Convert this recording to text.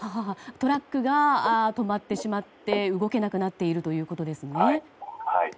トラックが止まってしまって動けなくなっているということですね。